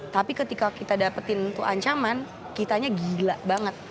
tapi ketika kita dapetin itu ancaman kitanya gila banget